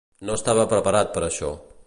No estava preparat per a això.